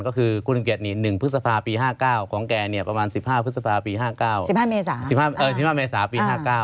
ก็คือคุณสมเกียจนี่๑พฤษภาปี๕๙ของแกประมาณ๑๕เมษาปี๕๙